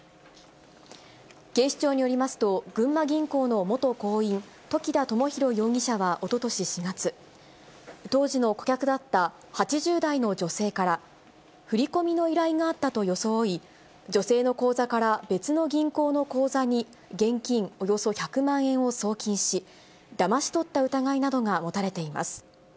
警視庁によりますと、群馬銀行の元行員、時田知寛容疑者はおととし４月、当時の顧客だった８０代の女性から、振り込みの依頼があったと装い、女性の口座から別の銀行の口座に現金およそ１００万円を送金し、だまし取った疑いなどが持たれています。